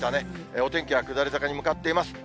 お天気は下り坂に向かっています。